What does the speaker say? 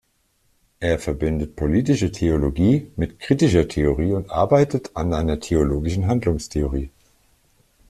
Er verbindet Politische Theologie mit Kritischer Theorie und arbeitet an einer theologischen Handlungstheorie.